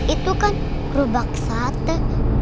itu kan gerobak sate